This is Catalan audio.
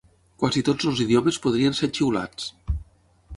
Quasi tots els idiomes podrien ser xiulats.